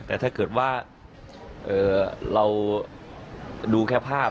แต่ถ้าเกิดว่าเราดูแค่ภาพ